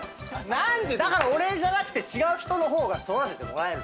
だから俺じゃなくて違う人の方が育ててもらえる。